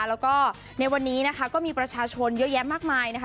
แล้วก็ในวันนี้นะคะก็มีประชาชนเยอะแยะมากมายนะคะ